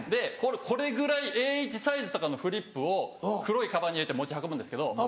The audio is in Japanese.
これぐらいＡ１サイズとかのフリップを黒いカバンに入れて持ち運ぶんですけど。